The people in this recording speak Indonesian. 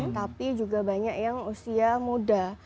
tapi juga banyak yang usia muda